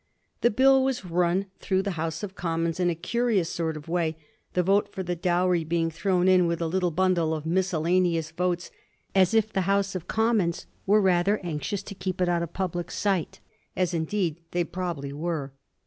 The Bill was run through the House of Commons in a curious sort of way, the vote for the dowry being thrown in with a little bun dle of miscellaneous votes, as if the House of Commons were rather anxious to keep it out of public sight, as in deed they probably were.